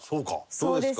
どうですか？